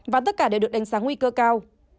và tất cả đều được đánh giá nguy cơ cao